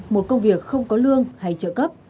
một công việc không có lương hay trợ cấp